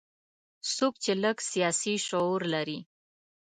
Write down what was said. څوک چې لږ سیاسي شعور لري.